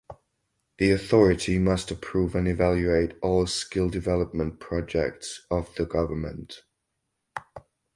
The authority must approve and evaluate all skill development projects of the government.